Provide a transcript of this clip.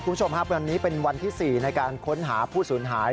คุณผู้ชมครับวันนี้เป็นวันที่๔ในการค้นหาผู้สูญหาย